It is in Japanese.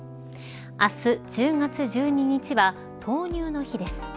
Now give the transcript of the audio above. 明日１０月１２日は豆乳の日です。